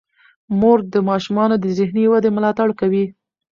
مور د ماشومانو د ذهني ودې ملاتړ کوي.